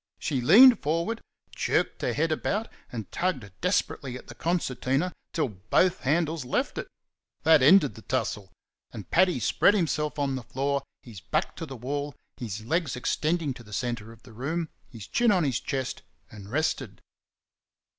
She leaned forward, jerked her head about, and tugged desperately at the concertina till both handles left it. That ended the tussle; and Paddy spread himself on the floor, his back to the wall, his legs extending to the centre of the room, his chin on his chest, and rested.